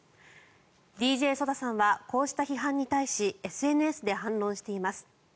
ＤＪＳＯＤＡさんはこうした批判に対しＳＮＳで反論しています。